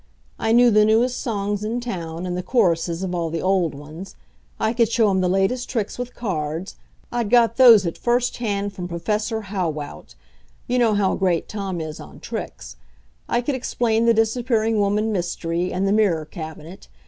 I knew the newest songs in town, and the choruses of all the old ones. I could show him the latest tricks with cards I'd got those at first hand from Professor Haughwout. You know how great Tom is on tricks. I could explain the disappearing woman mystery, and the mirror cabinet.